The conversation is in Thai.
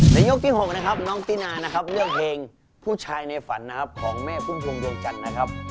ยกที่๖นะครับน้องตินานะครับเลือกเพลงผู้ชายในฝันนะครับของแม่พุ่มพวงดวงจันทร์นะครับ